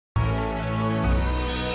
kau akan menantangku